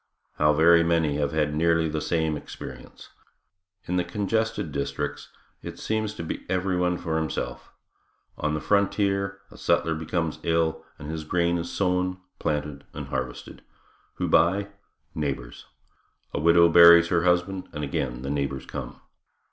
How very many have had nearly the same experience. In the congested districts it seems to be everyone for himself. On the frontier a settler becomes ill, and his grain is sown, planted and harvested. Who by? Neighbors. A widow buries her husband and again the neighbors come.